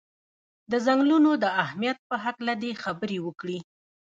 د څنګلونو د اهمیت په هکله دې خبرې وکړي.